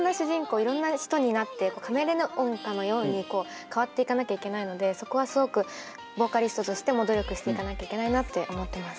いろんな人になってカメレオンかのように変わっていかなきゃいけないのでそこはすごくボーカリストとしても努力していかなきゃいけないなって思ってます。